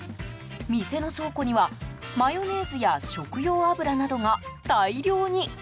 店の倉庫には、マヨネーズや食用油などが大量に。